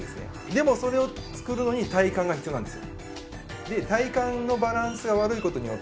でもそれを作るのに体幹が必要なんですよ。